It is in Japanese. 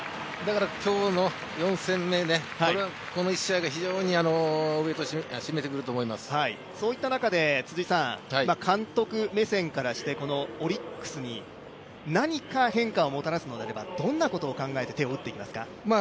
今日の４戦目、この１試合がウエートを占めてくると思いますそういった中で監督目線からしてオリックスに何か変化をもたらすのであればどんなことを考えて手を打っていきますか。